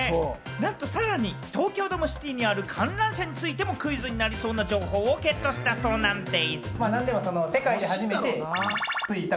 さらになんと東京ドームシティにある観覧車についてもクイズになりそうな情報をゲットしたそうなんでぃす。